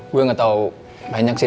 gue gak tau banyak sih